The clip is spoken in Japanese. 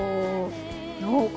濃厚！